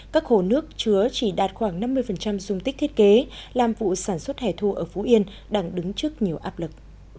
các hồ nước chứa chỉ đạt khoảng năm mươi dung tích thiết kế làm vụ sản xuất hẻ thu ở phú yên đang đứng trước nhiều áp lực